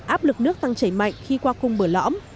áp lực nước tăng chảy mạnh khi qua cung bờ lõm